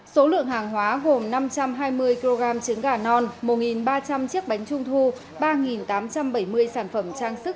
số lượng hàng hóa gồm năm trăm hai mươi kg trứng gà non một ba trăm linh chiếc bánh trung thu ba tám trăm bảy mươi sản phẩm trang sức